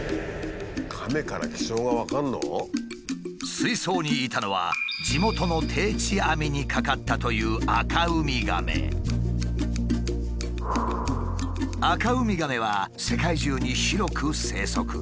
水槽にいたのは地元の定置網にかかったというアカウミガメは世界中に広く生息。